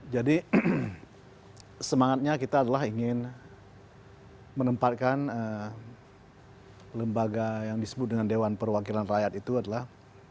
jadi semangatnya kita adalah ingin menempatkan lembaga yang disebut dengan dewan perwakilan rakyat itu adalah